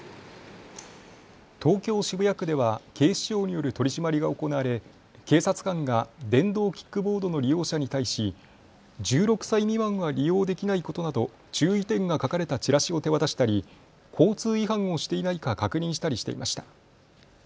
東京渋谷区では警視庁による取締りが行われ、警察官が電動キックボードの利用者に対し１６歳未満は利用できないことなど注意点が書かれたチラシを手渡したり交通違反をしていないか確認したりしていました。